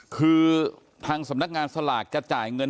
คือทางสำนักงานสลากจะจ่ายเงิน